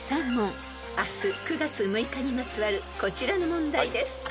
［明日９月６日にまつわるこちらの問題です］